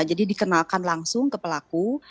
jadi dikenalkan langsung ke pelaku